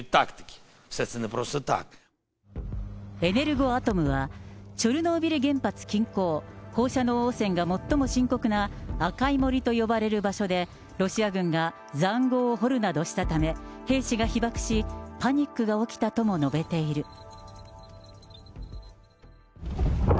エネルゴアトムは、チョルノービル原発近郊、放射能汚染が最も深刻な赤い森と呼ばれる場所でロシア軍が塹壕を掘るなどしたため、兵士が被ばくし、パニックが起きたとも述べている。